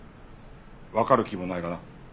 わかる気もないがな。